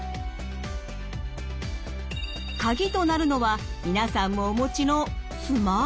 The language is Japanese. カギとなるのは皆さんもお持ちのスマートフォン？